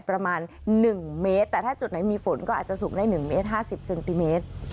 ประมาณ๑เมตรแต่ถ้าจุดไหนมีฝนก็อาจจะสูงได้๑เมตร๕๐เซนติเมตร